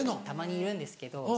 たまにいるんですけど。